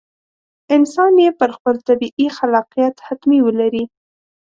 انسان یې پر خپل طبیعي خلاقیت حتمي ولري.